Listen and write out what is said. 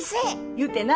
言うてな！